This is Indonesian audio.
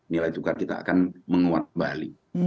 nilai tukar kita akan menguatmbah